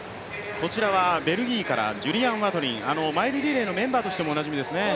こちらはベルギーからジュリアン・ワトリン、マイルリレーのメンバーとしてもおなじみですね。